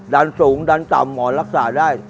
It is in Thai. ดันสูงดันต่ำหมอนรักษาได้